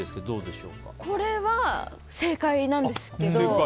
これは正解なんですけど。